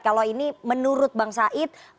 kalau ini menurut bang said